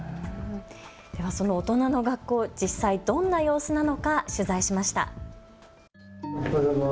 では、その大人の学校、実際、どんな様子なのか取材しました。